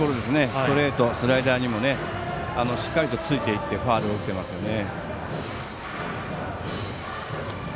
ストレート、スライダーにもしっかりとついていってファウル打ってますよね。